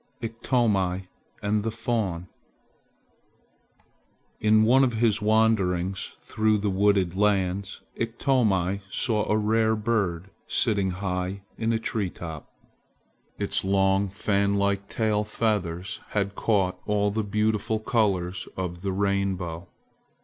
IKTOMI AND THE FAWN IN one of his wanderings through the wooded lands, Iktomi saw a rare bird sitting high in a tree top. Its long fan like tail feathers had caught all the beautiful colors of the rainbow.